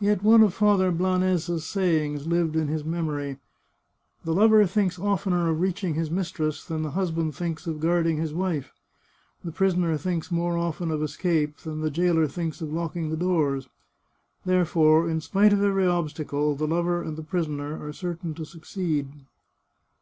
Yet one of Father Blanes's sayings lived in his memory :" The lover thinks oftener of reaching his mis tress than the husband thinks of guarding his wife; the prisoner thinks more often of escape than the jailer thinks of locking the doors. Therefore, in spite of every obstacle, the lover and the prisoner are certain to succeed."